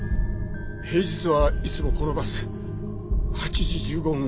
平日はいつもこのバス８時１５分